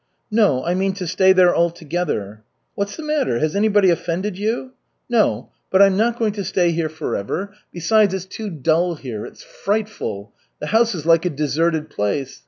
"No, I mean to stay there altogether." "What's the matter? Has anybody offended you?" "No, but I'm not going to stay here forever. Besides, it's too dull here it's frightful. The house is like a deserted place.